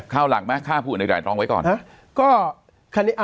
ข้าวหลังไหมฆ่าผู้ตายตรองไว้ก่อน